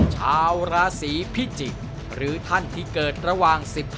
ชาวราศีพิจิกษ์หรือท่านที่เกิดระหว่าง๑๕